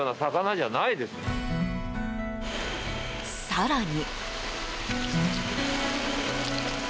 更に。